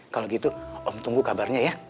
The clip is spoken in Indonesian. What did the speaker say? kalau gitu om tunggu kabarnya ya